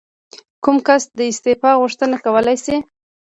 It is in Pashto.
کوم کس د استعفا غوښتنه کولی شي؟